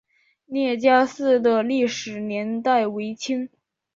聂家寺的历史年代为清。